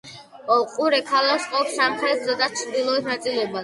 ყურე ქალაქს ყოფს სამხრეთ და ჩრდილოეთ ნაწილებად.